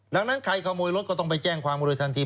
ดังนั้นใครขโมยรถก็ต้องไปแจ้งความกันเลยทันที